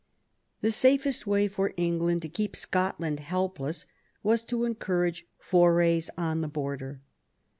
The safest way for England to keep 70 THOMAS WOLSEY chap. Scotland helpless was to encourage forays on the Border.